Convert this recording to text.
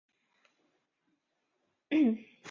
伦敦是世界顶尖的旅游都市之一。